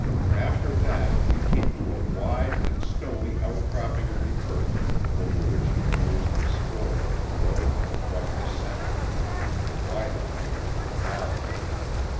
After that he came to a wide and stony out cropping of the earth over which he nosed the spoor to a low and abrupt descent into the wider range of the valley.